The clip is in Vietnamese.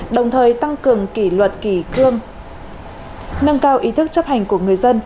đồng thời tăng cường kỷ luật kỳ cương nâng cao ý thức chấp hành của người dân